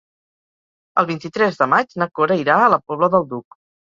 El vint-i-tres de maig na Cora irà a la Pobla del Duc.